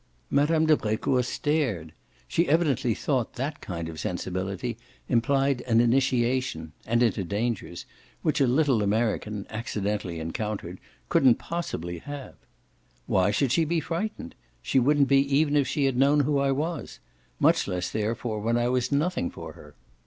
Mme. de Brecourt stared; she evidently thought that kind of sensibility implied an initiation and into dangers which a little American accidentally encountered couldn't possibly have. "Why should she be frightened? She wouldn't be even if she had known who I was; much less therefore when I was nothing for her."